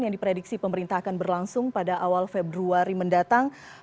yang diprediksi pemerintah akan berlangsung pada awal februari mendatang